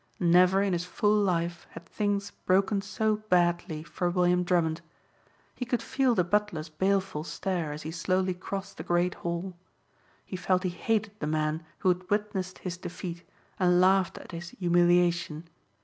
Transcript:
Never in his full life had things broken so badly for William Drummond. He could feel the butler's baleful stare as he slowly crossed the great hall. He felt he hated the man who had witnessed his defeat and laughed at his humiliation.